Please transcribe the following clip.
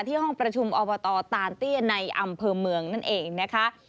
ห้องประชุมอบตตานเตี้ยในอำเภอเมืองนั่นเองนะคะ